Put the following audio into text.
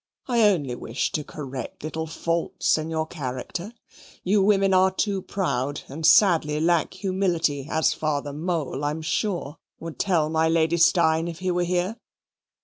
I only wish to correct little faults in your character. You women are too proud, and sadly lack humility, as Father Mole, I'm sure, would tell my Lady Steyne if he were here.